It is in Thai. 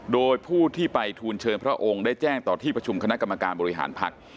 โดยผู้ที่ไปทูลเชิญพระองค์ได้แจ้งต่อที่ประชุมคณะกรรมการบริหารภักดิ์